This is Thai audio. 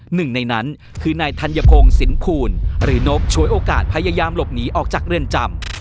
หนึ่งในนั้นคือนายธัญพงศ์สินคูณหรือนกชวยโอกาสพยายามหลบหนีออกจากเรือนจำ